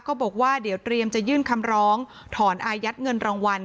บอกว่าเดี๋ยวเตรียมจะยื่นคำร้องถอนอายัดเงินรางวัล